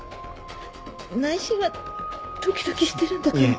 内心はドキドキしてるんだから。